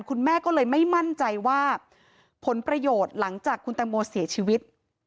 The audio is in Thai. คุณแม่ก็เลยไม่มั่นใจว่าผลประโยชน์หลังจากคุณแตงโมเสียชีวิต